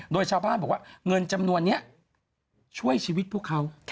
โดยชาวบ้านบอกว่าเงินจำนวนนี้ช่วยชีวิตพวกเขา